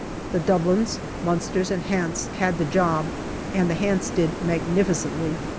The Dublins, Munsters, and Hants had the job, and the Hants did magnificently.